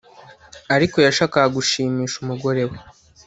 Ariko yashakaga gushimisha umugore we